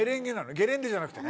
ゲレンデじゃなくてね。